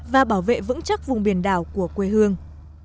và bảo vệ vững chắc vùng biển đảo của quê hương